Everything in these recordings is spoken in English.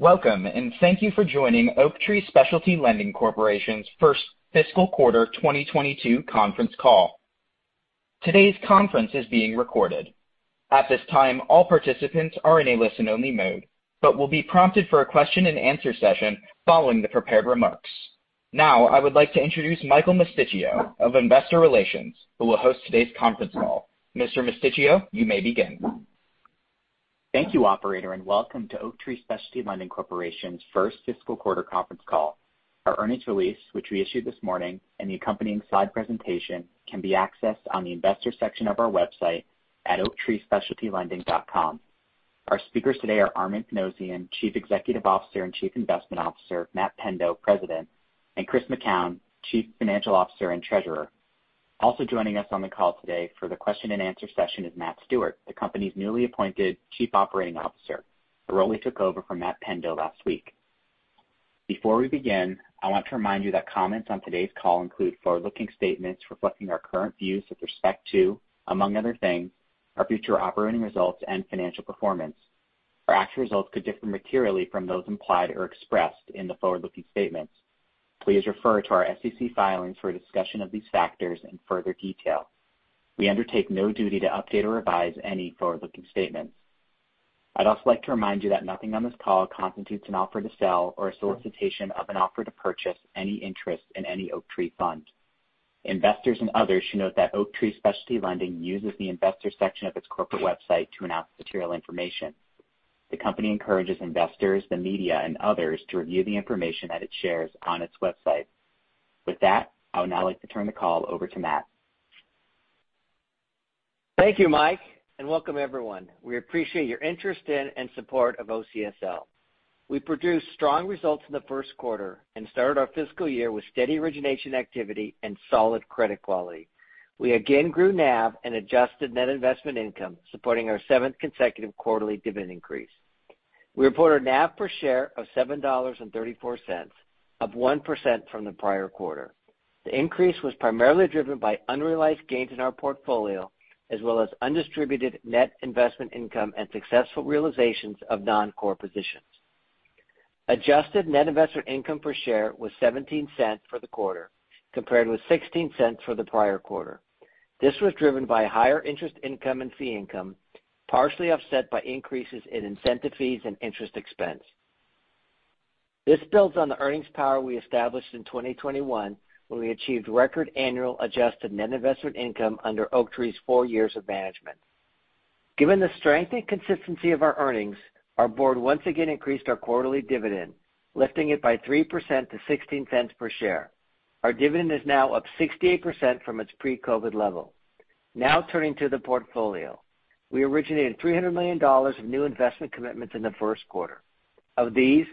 Welcome, and thank you for joining Oaktree Specialty Lending Corporation's first fiscal quarter 2022 conference call. Today's conference is being recorded. At this time, all participants are in a listen-only mode, but will be prompted for a question-and-answer session following the prepared remarks. Now, I would like to introduce Michael Mosticchio of Investor Relations, who will host today's conference call. Mr. Mosticchio, you may begin. Thank you, operator, and welcome to Oaktree Specialty Lending Corporation's first fiscal quarter conference call. Our earnings release, which we issued this morning, and the accompanying slide presentation can be accessed on the investor section of our website at oaktreespecialtylending.com. Our speakers today are Armen Panossian, Chief Executive Officer and Co-Chief Investment Officer; Matt Pendo, President; and Chris McKown, Chief Financial Officer and Treasurer. Also joining us on the call today for the question-and-answer session is Matt Stewart, the company's newly appointed Chief Operating Officer, a role he took over from Matt Pendo last week. Before we begin, I want to remind you that comments on today's call include forward-looking statements reflecting our current views with respect to, among other things, our future operating results and financial performance. Our actual results could differ materially from those implied or expressed in the forward-looking statements. Please refer to our SEC filings for a discussion of these factors in further detail. We undertake no duty to update or revise any forward-looking statements. I'd also like to remind you that nothing on this call constitutes an offer to sell or a solicitation of an offer to purchase any interest in any Oaktree fund. Investors and others should note that Oaktree Specialty Lending uses the investor section of its corporate website to announce material information. The company encourages investors, the media, and others to review the information that it shares on its website. With that, I would now like to turn the call over to Matt. Thank you, Mike, and welcome everyone. We appreciate your interest in and support of OCSL. We produced strong results in the first quarter and started our fiscal year with steady origination activity and solid credit quality. We again grew NAV and adjusted net investment income, supporting our seventh consecutive quarterly dividend increase. We reported NAV per share of $7.34, up 1% from the prior quarter. The increase was primarily driven by unrealized gains in our portfolio, as well as undistributed net investment income and successful realizations of non-core positions. Adjusted net investment income per share was $0.17 for the quarter, compared with $0.16 for the prior quarter. This was driven by higher interest income and fee income, partially offset by increases in incentive fees and interest expense. This builds on the earnings power we established in 2021, when we achieved record annual adjusted net investment income under Oaktree's four years of management. Given the strength and consistency of our earnings, our board once again increased our quarterly dividend, lifting it by 3% to $0.16 per share. Our dividend is now up 68% from its pre-COVID level. Now turning to the portfolio. We originated $300 million of new investment commitments in the first quarter. Of these,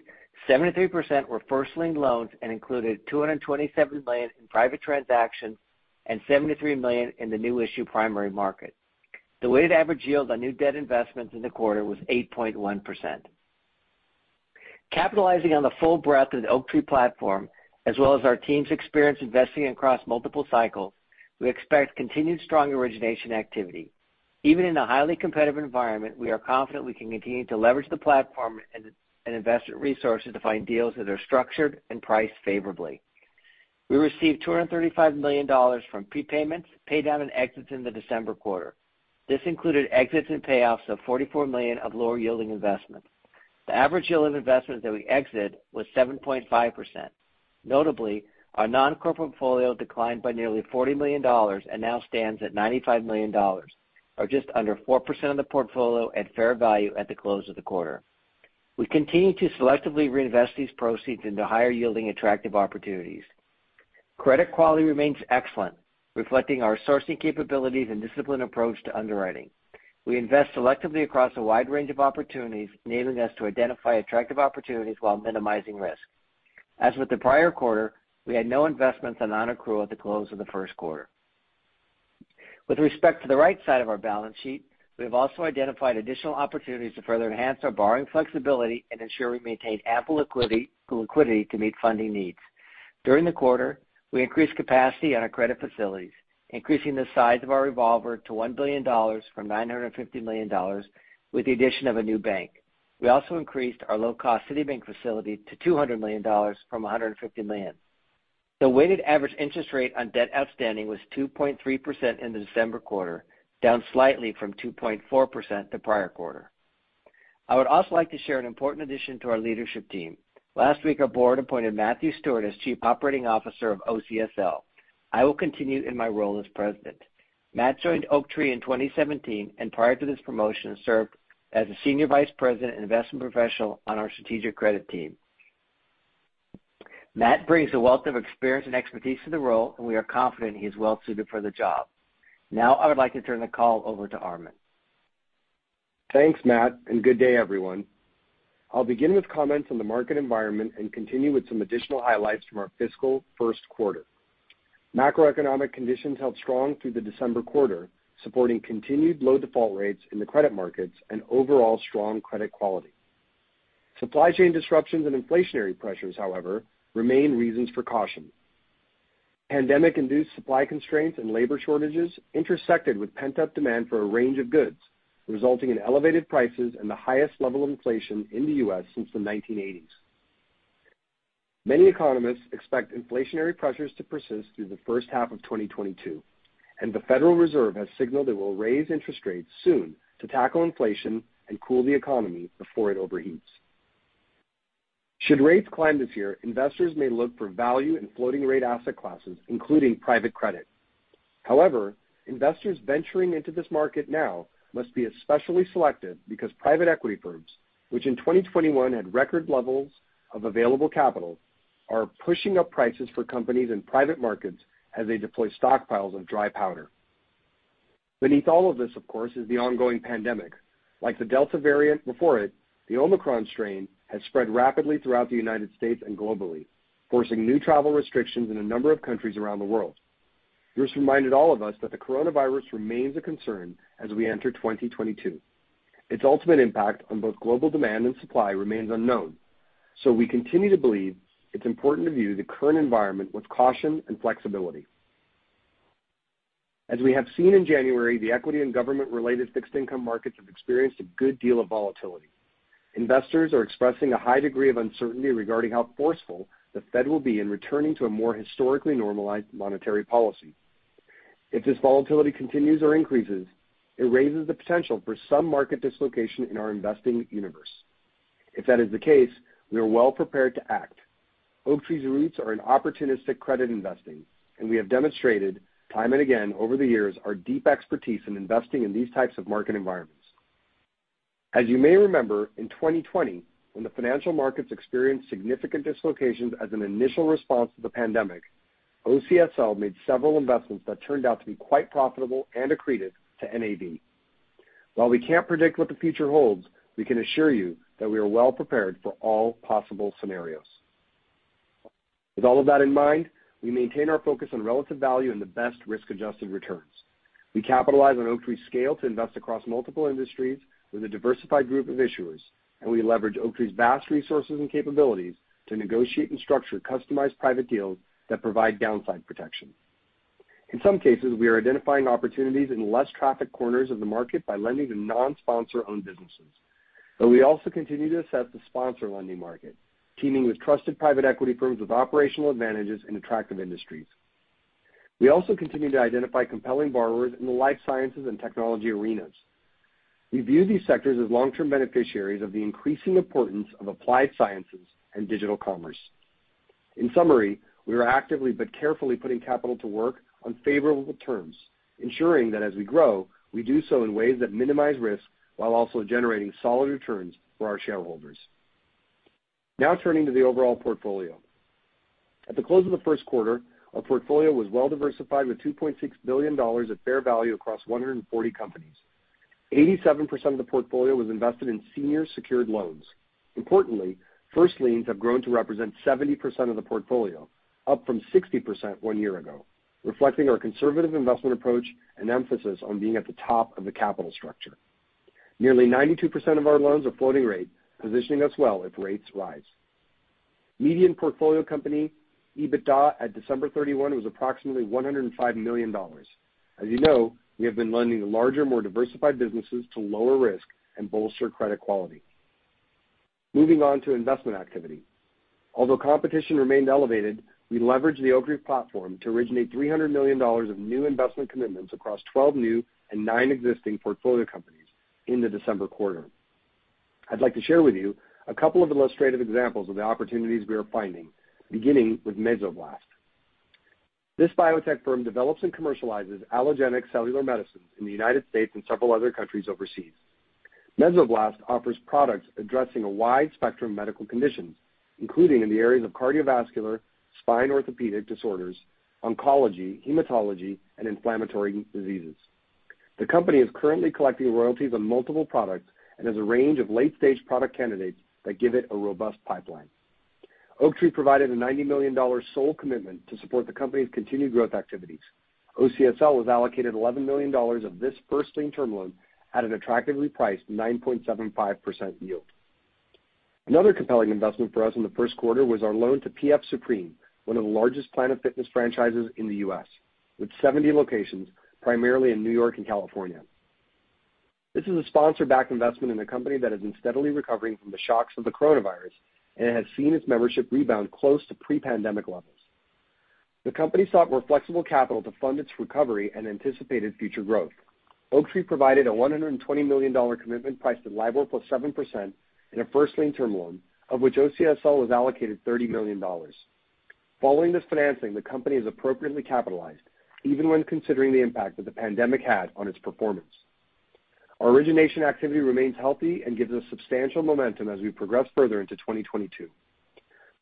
73% were first lien loans and included $227 million in private transactions and $73 million in the new issue primary marke t. The weighted average yield on new debt investments in the quarter was 8.1%. Capitalizing on the full breadth of the Oaktree platform, as well as our team's experience investing across multiple cycles, we expect continued strong origination activity. Even in a highly competitive environment, we are confident we can continue to leverage the platform and investor resources to find deals that are structured and priced favorably. We received $235 million from prepayments, pay down, and exits in the December quarter. This included exits and payoffs of $44 million of lower-yielding investments. The average yield of investments that we exited was 7.5%. Notably, our non-core portfolio declined by nearly $40 million and now stands at $95 million, or just under 4% of the portfolio at fair value at the close of the quarter. We continue to selectively reinvest these proceeds into higher-yielding, attractive opportunities. Credit quality remains excellent, reflecting our sourcing capabilities and disciplined approach to underwriting. We invest selectively across a wide range of opportunities, enabling us to identify attractive opportunities while minimizing risk. As with the prior quarter, we had no investments on non-accrual at the close of the first quarter. With respect to the right side of our balance sheet, we have also identified additional opportunities to further enhance our borrowing flexibility and ensure we maintain ample liquidity to meet funding needs. During the quarter, we increased capacity on our credit facilities, increasing the size of our revolver to $1 billion from $950 million with the addition of a new bank. We also increased our low-cost Citibank facility to $200 million from $150 million. The weighted average interest rate on debt outstanding was 2.3% in the December quarter, down slightly from 2.4% the prior quarter. I would also like to share an important addition to our leadership team. Last week, our board appointed Matthew Stewart as Chief Operating Officer of OCSL. I will continue in my role as president. Matt joined Oaktree in 2017 and prior to this promotion, served as a senior vice president and investment professional on our strategic credit team. Matt brings a wealth of experience and expertise to the role, and we are confident he's well-suited for the job. Now, I would like to turn the call over to Armen. Thanks, Matt, and good day, everyone. I'll begin with comments on the market environment and continue with some additional highlights from our fiscal first quarter. Macroeconomic conditions held strong through the December quarter, supporting continued low default rates in the credit markets and overall strong credit quality. Supply chain disruptions and inflationary pressures, however, remain reasons for caution. Pandemic-induced supply constraints and labor shortages intersected with pent-up demand for a range of goods, resulting in elevated prices and the highest level of inflation in the U.S. since the 1980s. Many economists expect inflationary pressures to persist through the first half of 2022, and the Federal Reserve has signaled it will raise interest rates soon to tackle inflation and cool the economy before it overheats. Should rates climb this year, investors may look for value in floating rate asset classes, including private credit. However, investors venturing into this market now must be especially selective because private equity firms, which in 2021 had record levels of available capital, are pushing up prices for companies in private markets as they deploy stockpiles of dry powder. Beneath all of this, of course, is the ongoing pandemic. Like the Delta variant before it, the Omicron strain has spread rapidly throughout the United States and globally, forcing new travel restrictions in a number of countries around the world. We're just reminded all of us that the coronavirus remains a concern as we enter 2022. Its ultimate impact on both global demand and supply remains unknown. We continue to believe it's important to view the current environment with caution and flexibility. As we have seen in January, the equity and government-related fixed income markets have experienced a good deal of volatility. Investors are expressing a high degree of uncertainty regarding how forceful the Fed will be in returning to a more historically normalized monetary policy. If this volatility continues or increases, it raises the potential for some market dislocation in our investing universe. If that is the case, we are well-prepared to act. Oaktree's roots are in opportunistic credit investing, and we have demonstrated time and again over the years our deep expertise in investing in these types of market environments. As you may remember, in 2020, when the financial markets experienced significant dislocations as an initial response to the pandemic, OCSL made several investments that turned out to be quite profitable and accreted to NAV. While we can't predict what the future holds, we can assure you that we are well-prepared for all possible scenarios. With all of that in mind, we maintain our focus on relative value and the best risk-adjusted returns. We capitalize on Oaktree's scale to invest across multiple industries with a diversified group of issuers, and we leverage Oaktree's vast resources and capabilities to negotiate and structure customized private deals that provide downside protection. In some cases, we are identifying opportunities in less trafficked corners of the market by lending to non-sponsor-owned businesses. We also continue to assess the sponsor lending market, teaming with trusted private equity firms with operational advantages in attractive industries. We also continue to identify compelling borrowers in the life sciences and technology arenas. We view these sectors as long-term beneficiaries of the increasing importance of applied sciences and digital commerce. In summary, we are actively but carefully putting capital to work on favorable terms, ensuring that as we grow, we do so in ways that minimize risk while also generating solid returns for our shareholders. Now turning to the overall portfolio. At the close of the first quarter, our portfolio was well-diversified with $2.6 billion at fair value across 140 companies. 87% of the portfolio was invested in senior secured loans. Importantly, first liens have grown to represent 70% of the portfolio, up from 60% one year ago, reflecting our conservative investment approach and emphasis on being at the top of the capital structure. Nearly 92% of our loans are floating rate, positioning us well if rates rise. Median portfolio company EBITDA at December 31 was approximately $105 million. As you know, we have been lending to larger, more diversified businesses to lower risk and bolster credit quality. Moving on to investment activity. Although competition remained elevated, we leveraged the Oaktree platform to originate $300 million of new investment commitments across 12 new and 9 existing portfolio companies in the December quarter. I'd like to share with you a couple of illustrative examples of the opportunities we are finding, beginning with Mesoblast. This biotech firm develops and commercializes allogeneic cellular medicines in the United States and several other countries overseas. Mesoblast offers products addressing a wide spectrum of medical conditions, including in the areas of cardiovascular, spine orthopedic disorders, oncology, hematology, and inflammatory diseases. The company is currently collecting royalties on multiple products and has a range of late-stage product candidates that give it a robust pipeline. Oaktree provided a $90 million sole commitment to support the company's continued growth activities. OCSL was allocated $11 million of this first lien term loan at an attractively priced 9.75% yield. Another compelling investment for us in the first quarter was our loan to PF Supreme, one of the largest Planet Fitness franchises in the U.S., with 70 locations, primarily in New York and California. This is a sponsor-backed investment in a company that has been steadily recovering from the shocks of the coronavirus and has seen its membership rebound close to pre-pandemic levels. The company sought more flexible capital to fund its recovery and anticipated future growth. Oaktree provided a $120 million commitment priced at LIBOR + 7% in a first lien term loan, of which OCSL was allocated $30 million. Following this financing, the company is appropriately capitalized, even when considering the impact that the pandemic had on its performance. Our origination activity remains healthy and gives us substantial momentum as we progress further into 2022.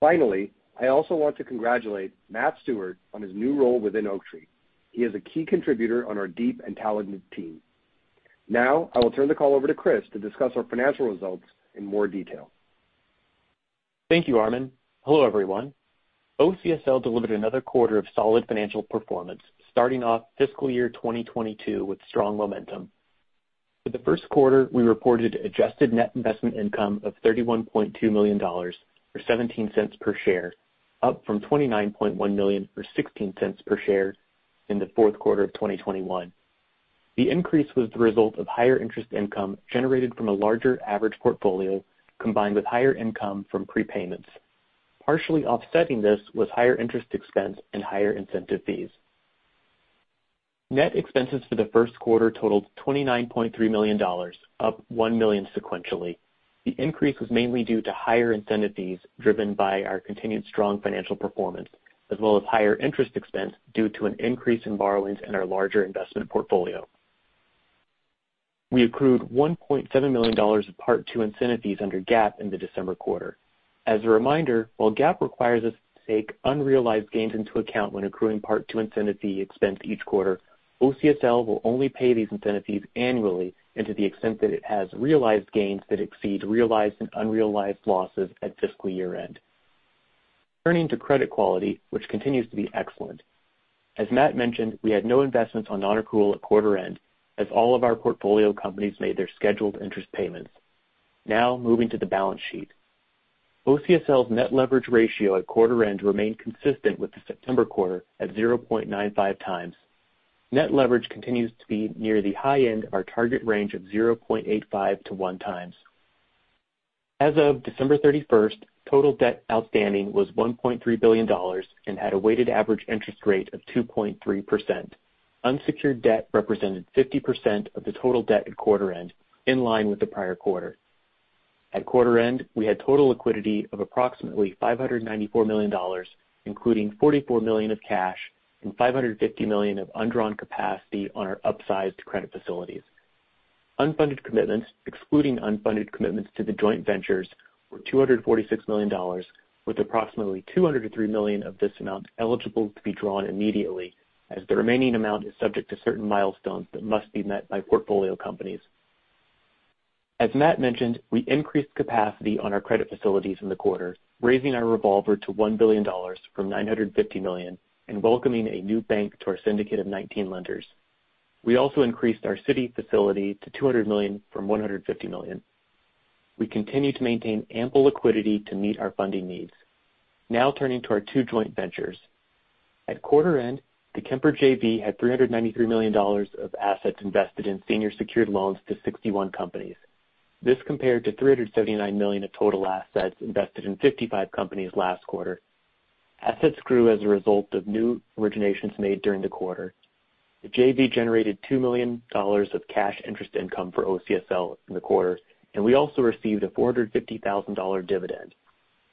Finally, I also want to congratulate Matt Stewart on his new role within Oaktree. He is a key contributor on our deep and talented team. Now, I will turn the call over to Chris to discuss our financial results in more detail. Thank you, Armen. Hello, everyone. OCSL delivered another quarter of solid financial performance, starting off fiscal year 2022 with strong momentum. For the first quarter, we reported adjusted net investment income of $31.2 million, or 17 cents per share, up from $29.1 million, or 16 cents per share in the fourth quarter of 2021. The increase was the result of higher interest income generated from a larger average portfolio, combined with higher income from prepayments. Partially offsetting this was higher interest expense and higher incentive fees. Net expenses for the first quarter totaled $29.3 million, up $1 million sequentially. The increase was mainly due to higher incentive fees driven by our continued strong financial performance, as well as higher interest expense due to an increase in borrowings in our larger investment portfolio. We accrued $1.7 million of Part II incentive fees under GAAP in the December quarter. As a reminder, while GAAP requires us to take unrealized gains into account when accruing Part II incentive fee expense each quarter, OCSL will only pay these incentive fees annually and to the extent that it has realized gains that exceed realized and unrealized losses at fiscal year-end. Turning to credit quality, which continues to be excellent. As Matt mentioned, we had no investments on non-accrual at quarter end as all of our portfolio companies made their scheduled interest payments. Now moving to the balance sheet. OCSL's net leverage ratio at quarter end remained consistent with the September quarter at 0.95 times. Net leverage continues to be near the high end of our target range of 0.85-1 times. As of December 31st, total debt outstanding was $1.3 billion and had a weighted average interest rate of 2.3%. Unsecured debt represented 50% of the total debt at quarter end, in line with the prior quarter. At quarter end, we had total liquidity of approximately $594 million, including $44 million of cash and $550 million of undrawn capacity on our upsized credit facilities. Unfunded commitments, excluding unfunded commitments to the joint ventures, were $246 million, with approximately $203 million of this amount eligible to be drawn immediately as the remaining amount is subject to certain milestones that must be met by portfolio companies. As Matt mentioned, we increased capacity on our credit facilities in the quarter, raising our revolver to $1 billion from $950 million and welcoming a new bank to our syndicate of 19 lenders. We also increased our Citi facility to $200 million from $150 million. We continue to maintain ample liquidity to meet our funding needs. Now turning to our two joint ventures. At quarter end, the Kemper JV had $393 million of assets invested in senior secured loans to 61 companies. This compared to $379 million of total assets invested in 55 companies last quarter. Assets grew as a result of new originations made during the quarter. The JV generated $2 million of cash interest income for OCSL in the quarter, and we also received a $450,000 dividend.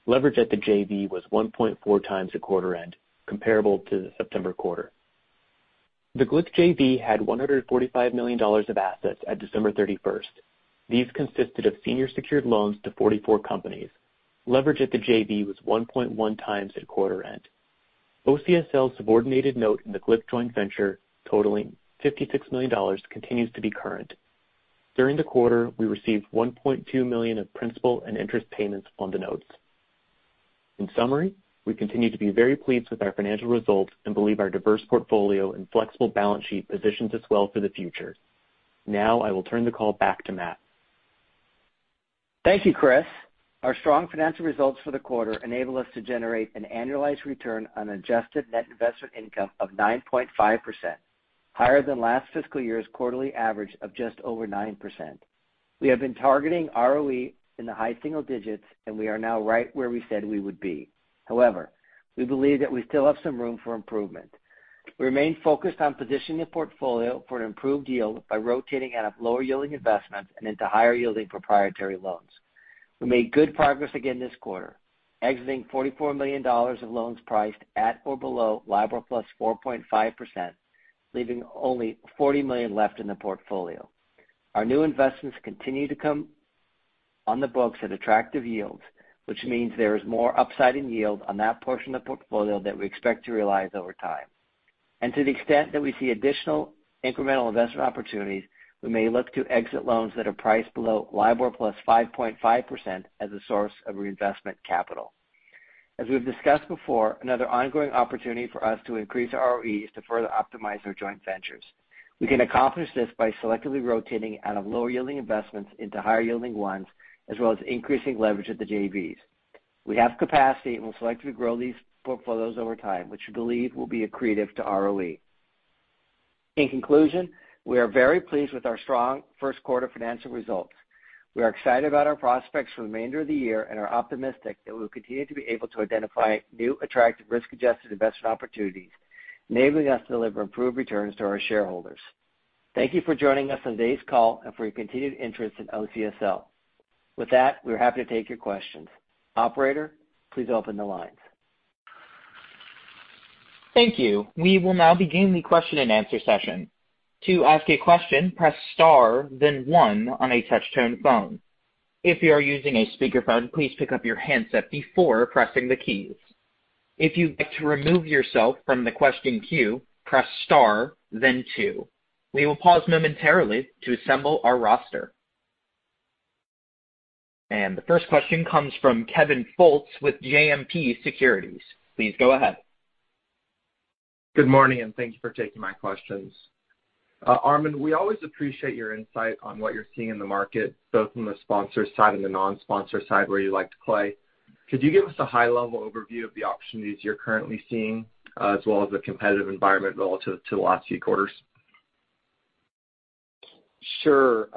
Leverage at the JV was 1.4x at quarter end, comparable to the September quarter. The Glick JV had $145 million of assets at December 31. These consisted of senior secured loans to 44 companies. Leverage at the JV was 1.1x at quarter end. OCSL's subordinated note in the Glick joint venture, totaling $56 million, continues to be current. During the quarter, we received $1.2 million of principal and interest payments on the notes. In summary, we continue to be very pleased with our financial results and believe our diverse portfolio and flexible balance sheet positions us well for the future. Now I will turn the call back to Matt. Thank you, Chris. Our strong financial results for the quarter enable us to generate an annualized return on adjusted net investment income of 9.5%, higher than last fiscal year's quarterly average of just over 9%. We have been targeting ROE in the high single digits, and we are now right where we said we would be. However, we believe that we still have some room for improvement. We remain focused on positioning the portfolio for an improved yield by rotating out of lower-yielding investments and into higher-yielding proprietary loans. We made good progress again this quarter, exiting $44 million of loans priced at or below LIBOR plus 4.5%, leaving only $40 million left in the portfolio. Our new investments continue to come on the books at attractive yields, which means there is more upside in yield on that portion of the portfolio that we expect to realize over time. To the extent that we see additional incremental investment opportunities, we may look to exit loans that are priced below LIBOR plus 5.5% as a source of reinvestment capital. As we've discussed before, another ongoing opportunity for us to increase ROE is to further optimize our joint ventures. We can accomplish this by selectively rotating out of lower-yielding investments into higher-yielding ones, as well as increasing leverage at the JVs. We have capacity, and we'll selectively grow these portfolios over time, which we believe will be accretive to ROE. In conclusion, we are very pleased with our strong first quarter financial results. We are excited about our prospects for the remainder of the year and are optimistic that we'll continue to be able to identify new, attractive risk-adjusted investment opportunities, enabling us to deliver improved returns to our shareholders. Thank you for joining us on today's call and for your continued interest in OCSL. With that, we're happy to take your questions. Operator, please open the lines. Thank you. We will now begin the question-and-answer session. To ask a question, press star, then one on a touch-tone phone. If you are using a speakerphone, please pick up your handset before pressing the keys. If you'd like to remove yourself from the question queue, press star, then two. We will pause momentarily to assemble our roster. The first question comes from Kevin Fultz with JMP Securities. Please go ahead. Good morning, and thank you for taking my questions. Armen, we always appreciate your insight on what you're seeing in the market, both from the sponsor side and the non-sponsor side where you like to play. Could you give us a high-level overview of the opportunities you're currently seeing, as well as the competitive environment relative to the last few quarters? Sure.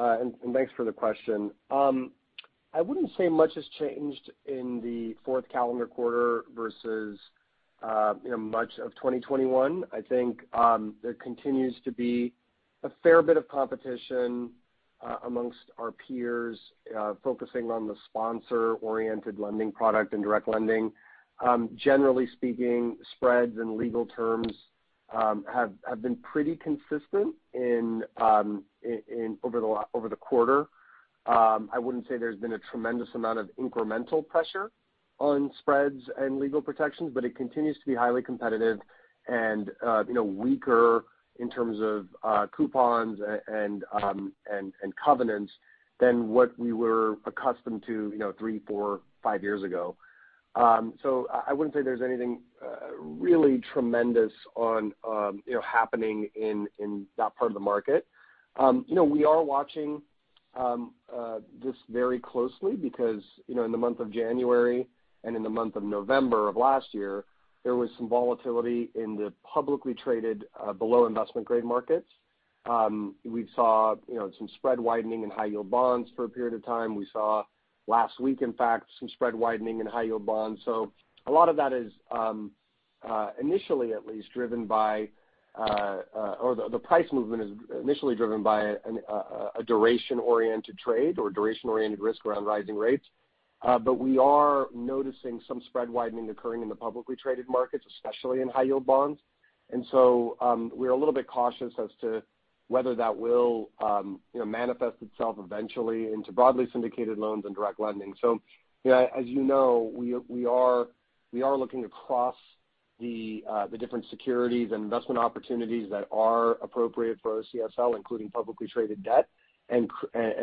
Thanks for the question. I wouldn't say much has changed in the fourth calendar quarter versus much of 2021. I think there continues to be a fair bit of competition among our peers focusing on the sponsor-oriented lending product and direct lending. Generally speaking, spreads and legal terms have been pretty consistent over the quarter. I wouldn't say there's been a tremendous amount of incremental pressure on spreads and legal protections, but it continues to be highly competitive and weaker in terms of coupons and covenants than what we were accustomed to 3, 4, 5 years ago. I wouldn't say there's anything really tremendous going on, you know, in that part of the market. You know, we are watching this very closely because, you know, in the month of January and in the month of November of last year, there was some volatility in the publicly traded below investment grade markets. We saw, you know, some spread widening in high yield bonds for a period of time. We saw last week, in fact, some spread widening in high yield bonds. A lot of that is initially at least driven by the price movement is initially driven by a duration-oriented trade or duration-oriented risk around rising rates. We are noticing some spread widening occurring in the publicly traded markets, especially in high yield bonds. We're a little bit cautious as to whether that will, you know, manifest itself eventually into broadly syndicated loans and direct lending. You know, as you know, we are looking across the different securities and investment opportunities that are appropriate for OCSL, including publicly traded debt, and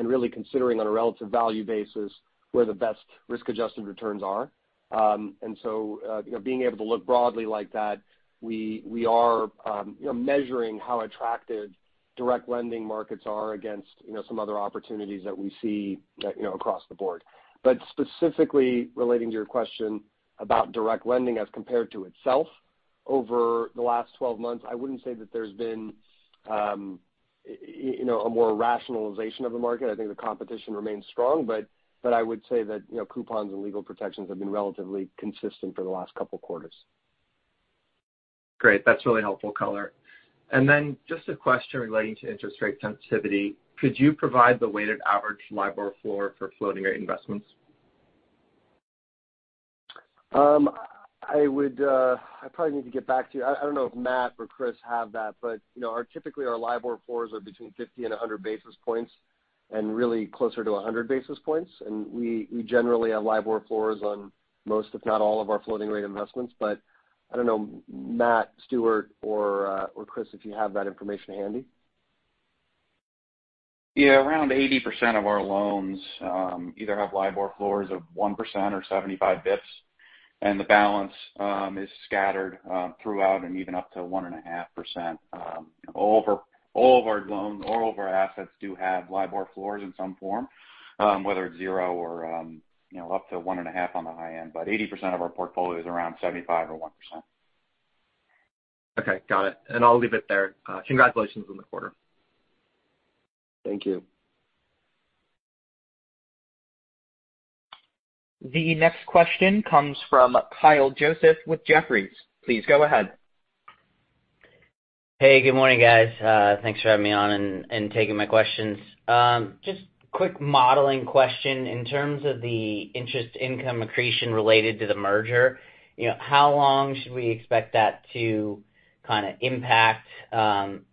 really considering on a relative value basis where the best risk-adjusted returns are. You know, being able to look broadly like that, we are, you know, measuring how attractive direct lending markets are against, you know, some other opportunities that we see, you know, across the board. Specifically relating to your question about direct lending as compared to itself over the last 12 months, I wouldn't say that there's been, you know, any more rationalization of the market. I think the competition remains strong. I would say that, you know, coupons and legal protections have been relatively consistent for the last couple quarters. Great. That's really helpful color. Just a question relating to interest rate sensitivity. Could you provide the weighted average LIBOR floor for floating rate investments? I probably need to get back to you. I don't know if Matt or Chris have that, but you know, our typical LIBOR floors are between 50 and 100 basis points, and really closer to 100 basis points. We generally have LIBOR floors on most, if not all, of our floating rate investments. I don't know, Matt Stewart or Chris, if you have that information handy. Yeah. Around 80% of our loans either have LIBOR floors of 1% or 75 basis points. The balance is scattered throughout and even up to 1.5%. All of our loans, all of our assets do have LIBOR floors in some form, whether it's 0% or, you know, up to 1.5% on the high end. 80% of our portfolio is around 75 basis points or 1%. Okay. Got it. I'll leave it there. Congratulations on the quarter. Thank you. The next question comes from Kyle Joseph with Jefferies. Please go ahead. Hey, good morning, guys. Thanks for having me on and taking my questions. Just quick modeling question. In terms of the interest income accretion related to the merger, you know, how long should we expect that to kinda impact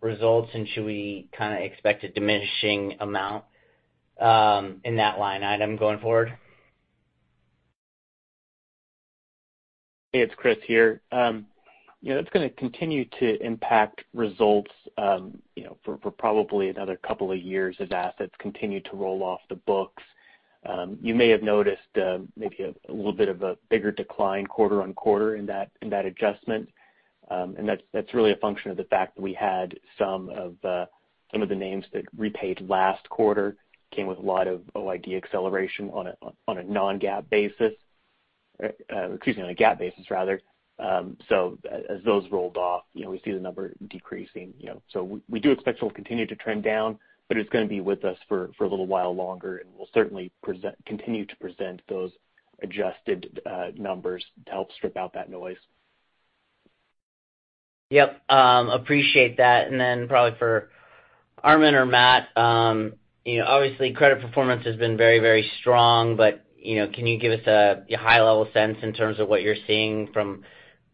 results? Should we kinda expect a diminishing amount in that line item going forward? Hey, it's Chris here. You know, that's gonna continue to impact results, you know, for probably another couple of years as assets continue to roll off the books. You may have noticed, maybe a little bit of a bigger decline quarter-over-quarter in that adjustment. That's really a function of the fact that we had some of the names that repaid last quarter came with a lot of OID acceleration on a non-GAAP basis. Excuse me, on a GAAP basis, rather. As those rolled off, you know, we see the number decreasing, you know. We do expect it'll continue to trend down, but it's gonna be with us for a little while longer, and we'll certainly continue to present those adjusted numbers to help strip out that noise. Yep. Appreciate that. Then probably for Armen or Matt, you know, obviously credit performance has been very, very strong, but, you know, can you give us a high-level sense in terms of what you're seeing from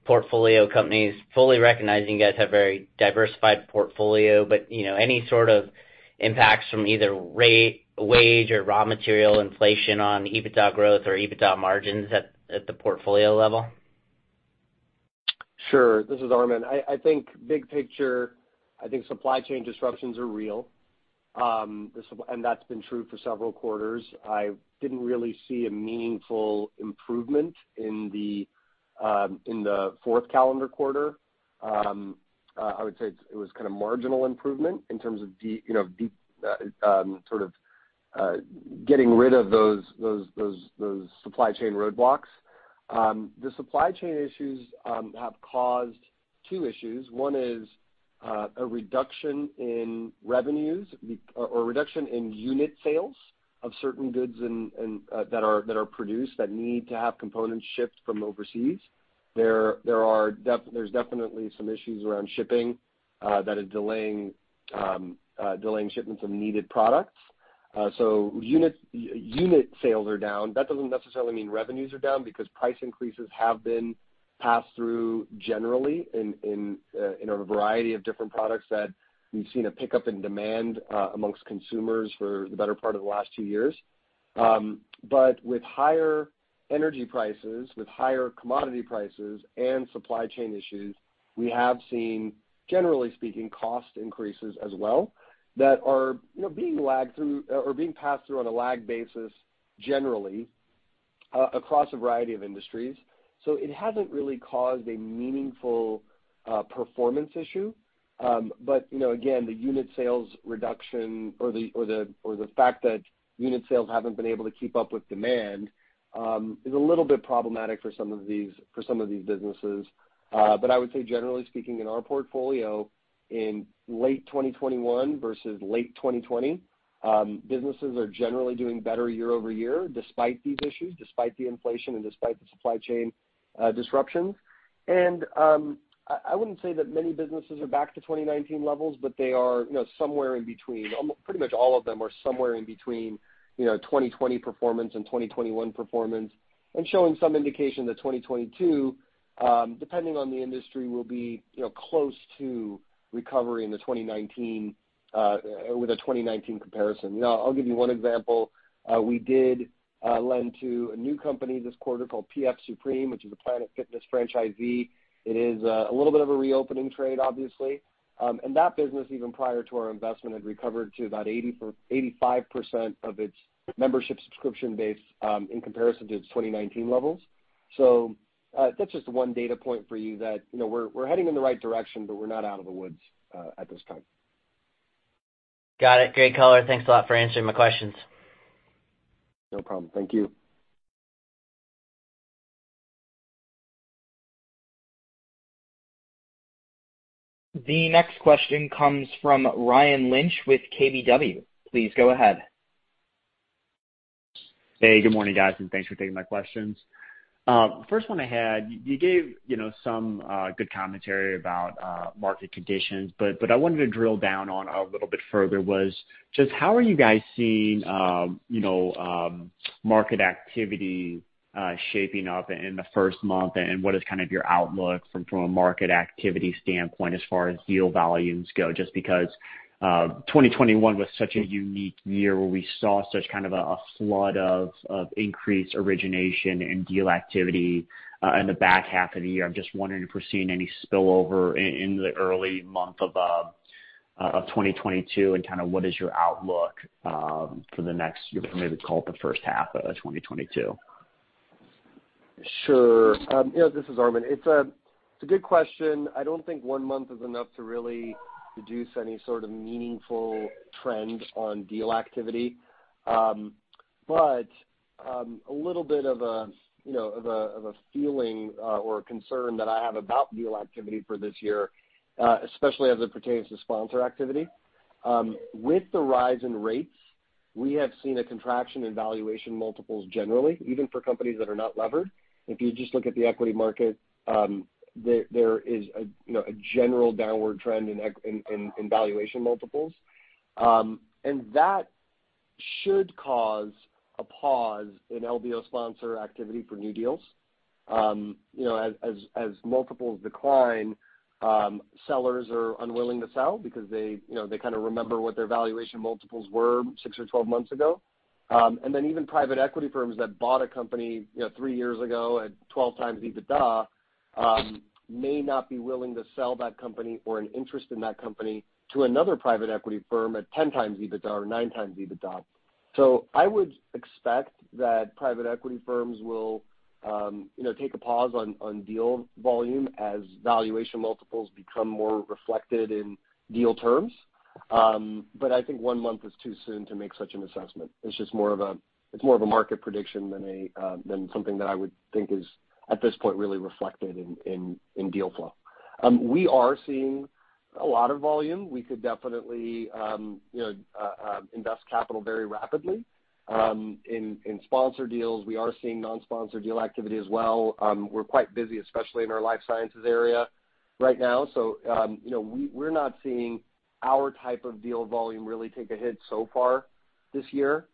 portfolio companies, fully recognizing you guys have very diversified portfolio. But, you know, any sort of impacts from either rate, wage, or raw material inflation on EBITDA growth or EBITDA margins at the portfolio level? Sure. This is Armen. I think big picture, supply chain disruptions are real. That's been true for several quarters. I didn't really see a meaningful improvement in the fourth calendar quarter. I would say it was kinda marginal improvement in terms of sort of getting rid of those supply chain roadblocks. The supply chain issues have caused two issues. One is a reduction in revenues or a reduction in unit sales of certain goods that are produced that need to have components shipped from overseas. There's definitely some issues around shipping that are delaying shipments of needed products. So unit sales are down. That doesn't necessarily mean revenues are down because price increases have been passed through generally in a variety of different products that we've seen a pickup in demand amongst consumers for the better part of the last two years. With higher energy prices, with higher commodity prices, and supply chain issues, we have seen, generally speaking, cost increases as well that are, you know, being lagged through or being passed through on a lagged basis generally across a variety of industries. It hasn't really caused a meaningful performance issue, but, you know, again, the unit sales reduction or the fact that unit sales haven't been able to keep up with demand is a little bit problematic for some of these businesses. I would say generally speaking, in our portfolio in late 2021 versus late 2020, businesses are generally doing better year over year despite these issues, despite the inflation and despite the supply chain disruptions. I wouldn't say that many businesses are back to 2019 levels, but they are, you know, somewhere in between. Pretty much all of them are somewhere in between, you know, 2020 performance and 2021 performance, and showing some indication that 2022, depending on the industry, will be, you know, close to recovering the 2019 with a 2019 comparison. You know, I'll give you one example. We did lend to a new company this quarter called PF Supreme, which is a Planet Fitness franchisee. It is a little bit of a reopening trade, obviously. That business, even prior to our investment, had recovered to about 85% of its membership subscription base, in comparison to its 2019 levels. That's just one data point for you that, you know, we're heading in the right direction, but we're not out of the woods, at this time. Got it. Great color. Thanks a lot for answering my questions. No problem. Thank you. The next question comes from Ryan Lynch with KBW. Please go ahead. Hey, good morning, guys, and thanks for taking my questions. First one I had, you gave, you know, some good commentary about market conditions, but I wanted to drill down on a little bit further, was just how are you guys seeing, you know, market activity shaping up in the first month? What is kind of your outlook from a market activity standpoint as far as deal volumes go? Just because, 2021 was such a unique year where we saw such kind of a flood of increased origination and deal activity in the back half of the year. I'm just wondering if we're seeing any spillover in the early month of 2022, and kinda what is your outlook for the next, you know, maybe call it the first half of 2022. Sure. You know, this is Armen. It's a good question. I don't think one month is enough to really deduce any sort of meaningful trend on deal activity. A little bit of a feeling or a concern that I have about deal activity for this year, especially as it pertains to sponsor activity. With the rise in rates, we have seen a contraction in valuation multiples generally, even for companies that are not levered. If you just look at the equity market, there is a general downward trend in valuation multiples. That should cause a pause in LBO sponsor activity for new deals. You know, as multiples decline, sellers are unwilling to sell because they, you know, they kinda remember what their valuation multiples were 6 or 12 months ago. Even private equity firms that bought a company, you know, three years ago at 12x EBITDA, may not be willing to sell that company or an interest in that company to another private equity firm at 10x EBITDA or 9x EBITDA. I would expect that private equity firms will, you know, take a pause on deal volume as valuation multiples become more reflected in deal terms. I think one month is too soon to make such an assessment. It's just more of a market prediction than something that I would think is, at this point, really reflected in deal flow. We are seeing a lot of volume. We could definitely invest capital very rapidly in sponsor deals. We are seeing non-sponsor deal activity as well. We're quite busy, especially in our life sciences area right now. You know, we're not seeing our type of deal volume really take a hit so far this year.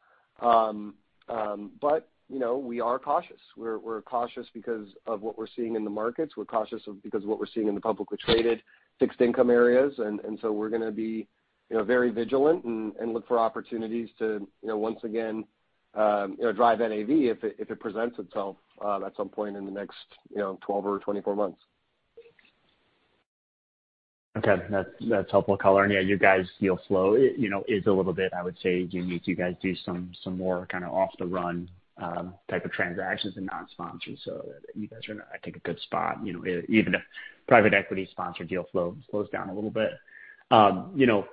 You know, we are cautious. We're cautious because of what we're seeing in the markets. We're cautious because of what we're seeing in the publicly traded fixed income areas. We're gonna be, you know, very vigilant and look for opportunities to, you know, once again, you know, drive NAV if it presents itself, at some point in the next, you know, 12 or 24 months. Okay. That's helpful color. Yeah, your guys' deal flow, you know, is a little bit, I would say, unique. You guys do some more kind of off the run type of transactions and non-sponsored. You guys are in, I think, a good spot, you know, even if private equity sponsor deal flow slows down a little bit. You know,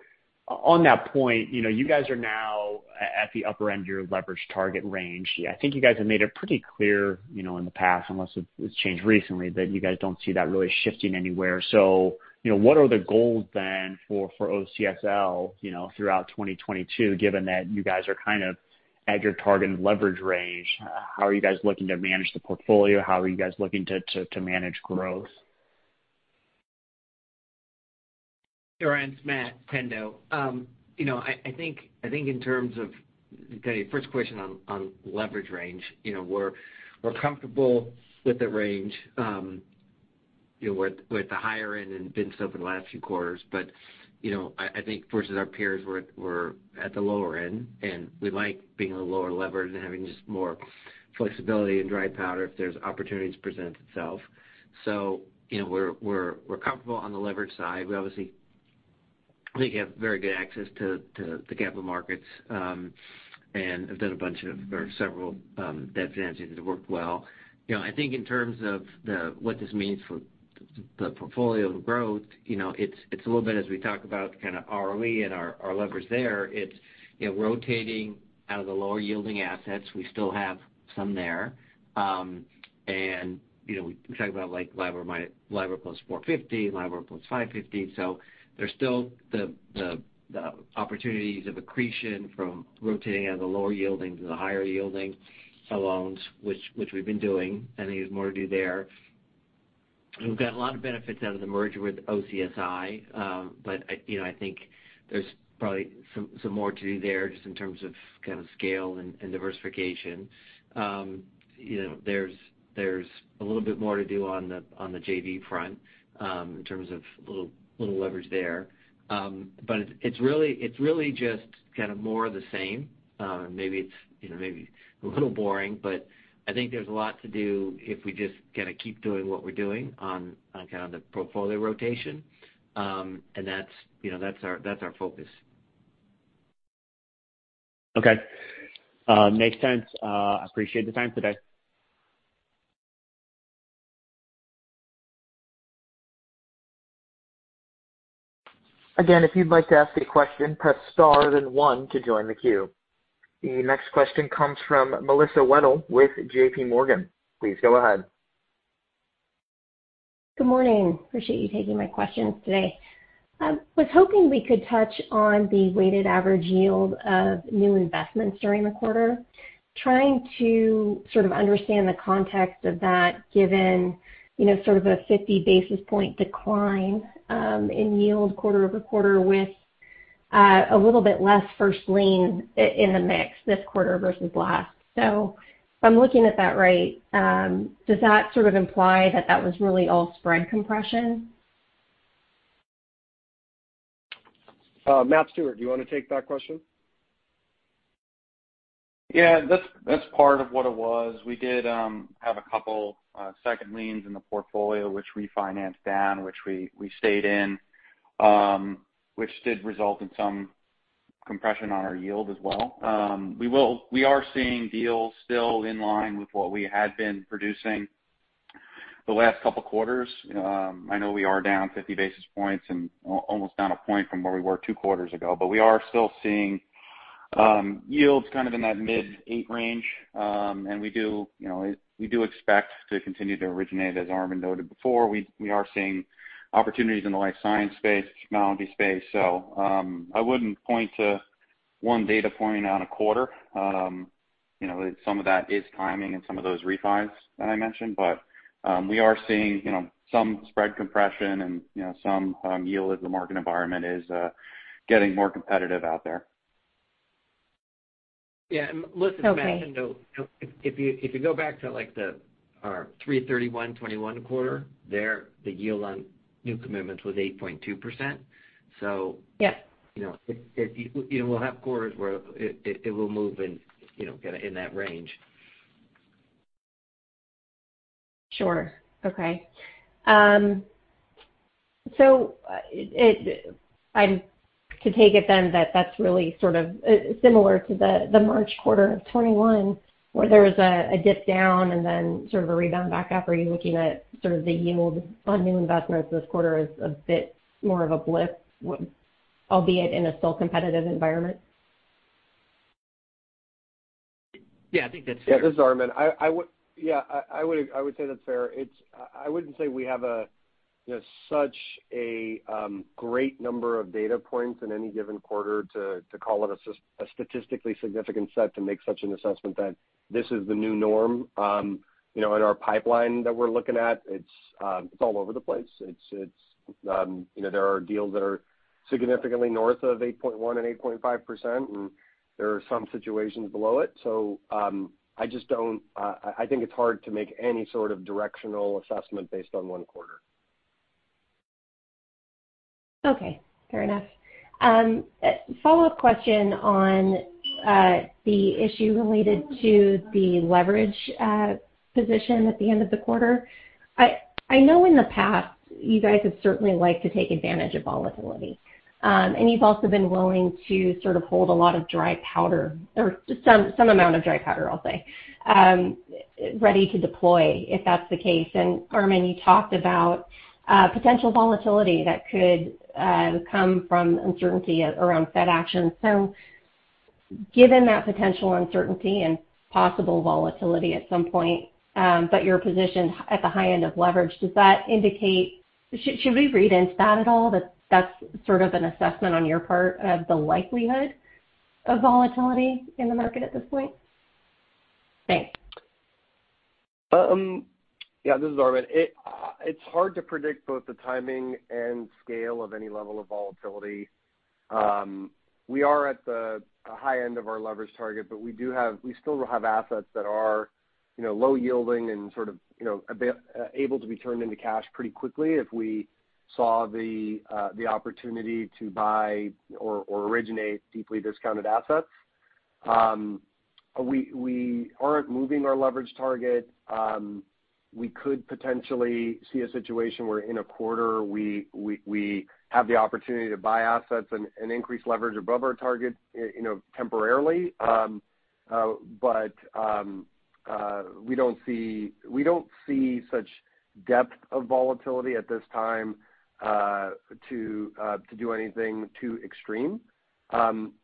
on that point, you know, you guys are now at the upper end of your leverage target range. I think you guys have made it pretty clear, you know, in the past, unless it's changed recently, that you guys don't see that really shifting anywhere. What are the goals then for OCSL, you know, throughout 2022, given that you guys are kind of at your target leverage range? How are you guys looking to manage the portfolio? How are you guys looking to manage growth? Ryan Lynch, it's Matt Pendo. You know, I think in terms of, okay, first question on leverage range. You know, we're comfortable with the range, you know, with the higher end and been so for the last few quarters. You know, I think versus our peers, we're at the lower end, and we like being the lower levered and having just more flexibility and dry powder if there's opportunities present itself. You know, we're comfortable on the leverage side. We obviously think we have very good access to the capital markets, and have done a bunch of or several debt financings that have worked well. You know, I think in terms of what this means for the portfolio, the growth, you know, it's a little bit as we talk about kind of ROE and our levers there. It's, you know, rotating out of the lower yielding assets. We still have some there. And, you know, we talk about like LIBOR plus 450, LIBOR plus 550. So there's still the opportunities of accretion from rotating out of the lower yielding to the higher yielding loans, which we've been doing. I think there's more to do there. We've got a lot of benefits out of the merger with OCSI. I, you know, I think there's probably some more to do there just in terms of kind of scale and diversification. You know, there's a little bit more to do on the JV front in terms of little leverage there. It's really just kind of more of the same. Maybe it's, you know, maybe a little boring, but I think there's a lot to do if we just kinda keep doing what we're doing on kind of the portfolio rotation. That's, you know, that's our focus. Okay. Makes sense. Appreciate the time today. Again, if you'd like to ask a question, press star then one to join the queue. The next question comes from Melissa Wedel with JPMorgan. Please go ahead. Good morning, appreciate you taking my question today. I was hoping we could touch on the weighted average yield of new investments during the quarter, trying to sort of understand the context of that given sort of a 50 basis point decline in yield quarter-over-quarter with a little less first lien in the mix this quarter versus last. So if I'm looking at that right, does that sort of imply that, that was really all spread compression. Matt Stewart, do you wanna take that question? Yeah. That's part of what it was. We did have a couple second liens in the portfolio which refinanced down, which we stayed in, which did result in some compression on our yield as well. We are seeing deals still in line with what we had been producing the last couple quarters. I know we are down 50 basis points and almost down a point from where we were two quarters ago. We are still seeing yields kind of in that mid-8% range. We do, you know, expect to continue to originate, as Armen noted before. We are seeing opportunities in the life science space, technology space. I wouldn't point to one data point on a quarter. You know, some of that is timing and some of those refis that I mentioned. We are seeing, you know, some spread compression and, you know, some yield as the market environment is getting more competitive out there. Yeah. Listen, Matt Pendo. Okay. If you go back to, like, our 3/31/2021 quarter where the yield on new commitments was 8.2%. So Yes. You know, if you know, we'll have quarters where it will move and, you know, kinda in that range. Sure. Okay. I take it then that that's really sort of similar to the March quarter of 2021, where there was a dip down and then sort of a rebound back up. Are you looking at sort of the yield on new investments this quarter as a bit more of a blip, albeit in a still competitive environment? Yeah, I think that's fair. Okay. Yeah. This is Armen. I would say that's fair. I wouldn't say we have a, you know, such a great number of data points in any given quarter to call it a statistically significant set to make such an assessment that this is the new norm. You know, in our pipeline that we're looking at, it's all over the place. It's all over the place. You know, there are deals that are significantly north of 8.1% and 8.5%, and there are some situations below it. So, I just don't think it's hard to make any sort of directional assessment based on one quarter. Okay. Fair enough. A follow-up question on the issue related to the leverage position at the end of the quarter. I know in the past you guys have certainly liked to take advantage of volatility. You've also been willing to sort of hold a lot of dry powder or just some amount of dry powder, I'll say, ready to deploy if that's the case. Armen, you talked about potential volatility that could come from uncertainty around Fed actions. Given that potential uncertainty and possible volatility at some point, but you're positioned at the high end of leverage, does that indicate? Should we read into that at all, that that's sort of an assessment on your part of the likelihood of volatility in the market at this point? Thanks. Yeah, this is Armen. It's hard to predict both the timing and scale of any level of volatility. We are at the high end of our leverage target, but we still have assets that are, you know, low yielding and sort of, you know, available to be turned into cash pretty quickly if we saw the opportunity to buy or originate deeply discounted assets. We aren't moving our leverage target. We could potentially see a situation where in a quarter we have the opportunity to buy assets and increase leverage above our target, you know, temporarily. We don't see such depth of volatility at this time to do anything too extreme.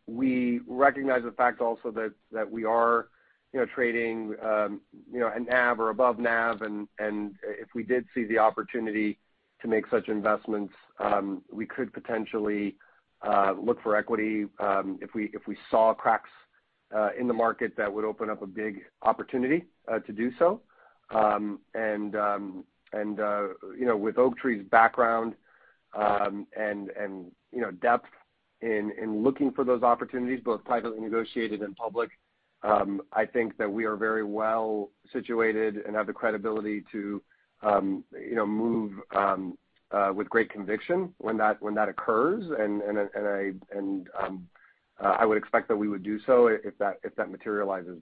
We recognize the fact also that we are, you know, trading, you know, at NAV or above NAV and if we did see the opportunity to make such investments, we could potentially look for equity if we saw cracks in the market that would open up a big opportunity to do so. You know, with Oaktree's background and you know depth in looking for those opportunities, both privately negotiated and public, I think that we are very well situated and have the credibility to, you know, move with great conviction when that occurs. I would expect that we would do so if that materializes.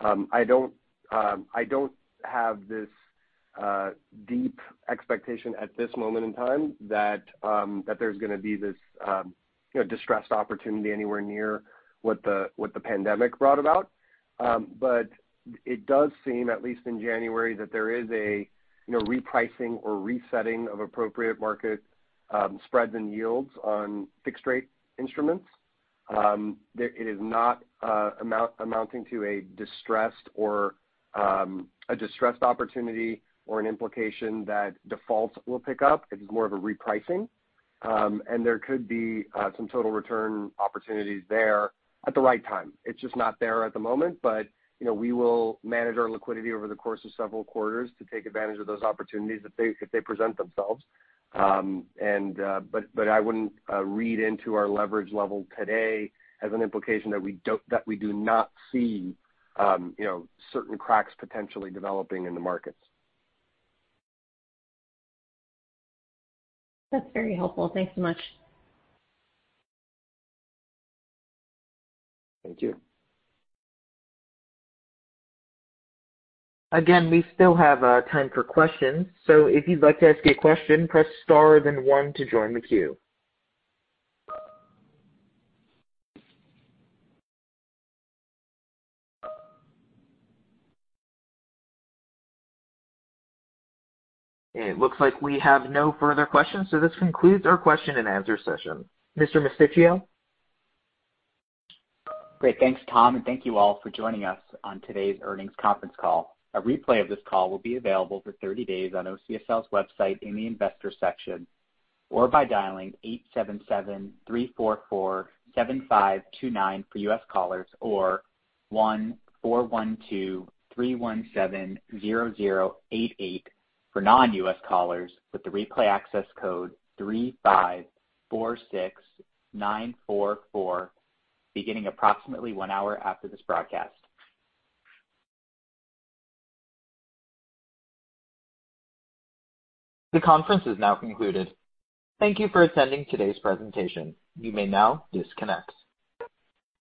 I don't have this deep expectation at this moment in time that there's gonna be this you know, distressed opportunity anywhere near what the pandemic brought about. It does seem, at least in January, that there is a you know, repricing or resetting of appropriate market spreads and yields on fixed rate instruments. It is not amounting to a distressed opportunity or an implication that defaults will pick up. It is more of a repricing. There could be some total return opportunities there at the right time. It's just not there at the moment. You know, we will manage our liquidity over the course of several quarters to take advantage of those opportunities if they present themselves. I wouldn't read into our leverage level today as an implication that we do not see, you know, certain cracks potentially developing in the markets. That's very helpful. Thanks so much. Thank you. Again, we still have time for questions, so if you'd like to ask a question, press star then one to join the queue. It looks like we have no further questions, so this concludes our question and answer session. Mr. Mosticchio? Great. Thanks, Tom, and thank you all for joining us on today's earnings conference call. A replay of this call will be available for 30 days on OCSL's website in the Investors section, or by dialing 877-344-7529 for U.S. callers or 1-412-317-0088 for non-U.S. callers with the replay access code 354-6944 beginning approximately one hour after this broadcast. The conference is now concluded. Thank you for attending today's presentation. You may now disconnect.